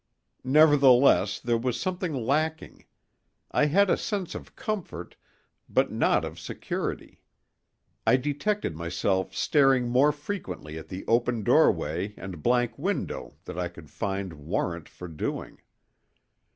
Nevertheless, there was something lacking. I had a sense of comfort, but not of security. I detected myself staring more frequently at the open doorway and blank window than I could find warrant for doing.